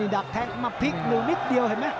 ดับแทงมับพลิกลงนิดเดียวเห็นไหม